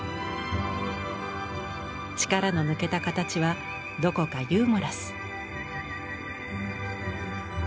力の抜けた形はどこかユーモラス。